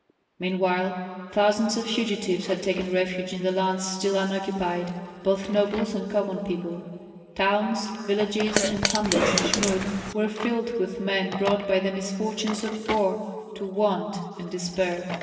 Meanwhile thousands of fugitives had taken refuge in the lands still unoccupied, both nobles and common people. Towns, villages, and hamlets in Jmud were filled with men brought by the misfortunes of war to want and despair.